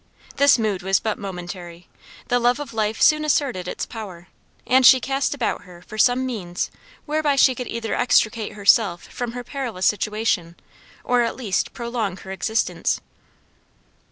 This mood was but momentary; the love of life soon asserted its power, and she cast about her for some means whereby she could either extricate herself from her perilous situation, or at least prolong her existence.